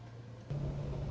pembelian kereta api sebidang